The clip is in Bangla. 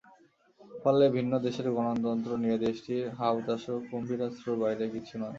ফলে ভিন দেশের গণতন্ত্র নিয়ে দেশটির হা-হুতাশও কুম্ভীরাশ্রুর বাইরে কিছু নয়।